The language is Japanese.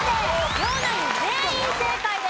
両ナイン全員正解です。